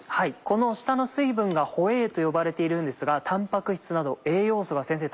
この下の水分が「ホエー」と呼ばれているんですがタンパク質など栄養素が先生